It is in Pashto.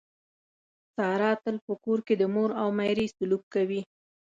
ساره تل په کور کې د مور او میرې سلوک کوي.